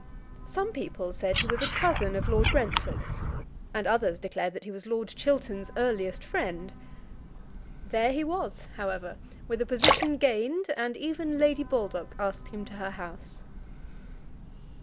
Some people said he was a cousin of Lord Brentford's, and others declared that he was Lord Chiltern's earliest friend. There he was, however, with a position gained, and even Lady Baldock asked him to her house.